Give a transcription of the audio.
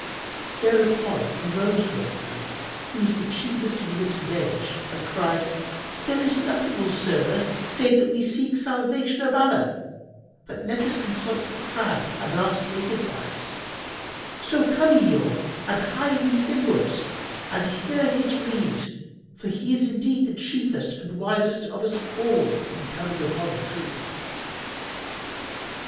Thereupon arose one of them, who was the chiefest in wit and age, and cried, "There is nothing will serve us save that we seek salvation of Allah; but let us consult the Crab and ask his advice: so come ye all[FN#76] and hie we himwards and hear his rede for indeed he is the chiefest and wisest of us all in coming upon the truth."